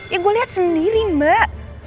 ya gue lihat sendiri mbak